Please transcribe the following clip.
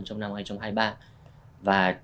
trong năm hai nghìn hai mươi ba và